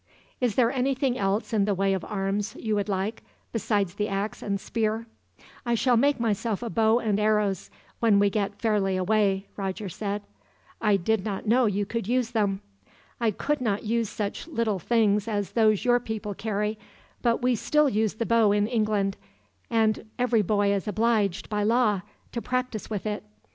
"Is there anything else in the way of arms you would like, beside the ax and spear?" "I shall make myself a bow and arrows, when we get fairly away," Roger said. "I did not know you could use them." "I could not use such little things as those your people carry; but we still use the bow in England, and every boy is obliged, by law, to practice with it.